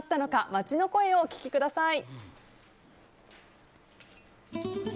街の声をお聞きください。